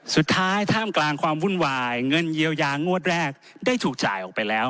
ท่ามกลางความวุ่นวายเงินเยียวยางวดแรกได้ถูกจ่ายออกไปแล้ว